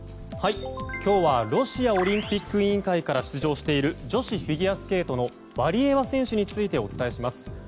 今日はロシアオリンピック委員会から出場している女子フィギュアスケートのワリエワ選手についてお伝えします。